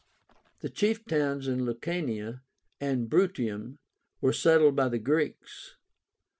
The chief towns in Lucania and Bruttium were settled by the Greeks.